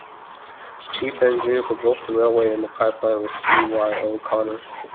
The chief engineer for both the railway and the pipeline was C. Y. O'Connor.